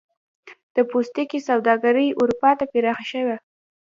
د پوستکي سوداګري اروپا ته پراخه شوه.